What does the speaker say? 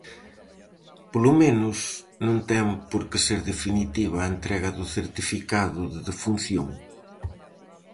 Polo menos, non ten porqué ser definitiva a entrega do certificado de defunción.